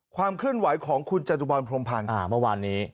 ความเคลื่อนไหวของคุณจัตุบันพรมพันธ์